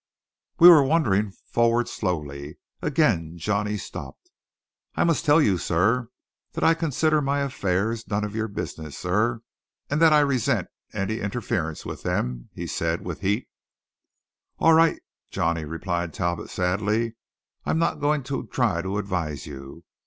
We were wandering forward slowly. Again Johnny stopped. "I must tell you, sir, that I consider my affairs none of your business, sir; and that I resent any interference with them," said he with heat. "All right, Johnny," replied Talbot sadly; "I am not going to try to advise you.